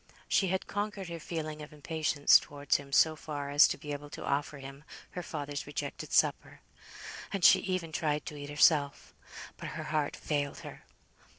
She had conquered her feeling of impatience towards him so far as to be able to offer him her father's rejected supper; and she even tried to eat herself. But her heart failed her.